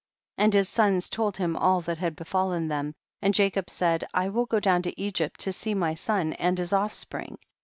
106. And his sons told him all that had befallen them, and Jacob said, I will go down to Egypt to see my son and his offspring.